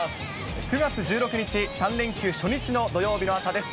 ９月１６日、３連休初日の土曜日の朝です。